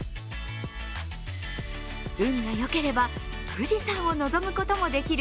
運が良ければ、富士山を望むこともできる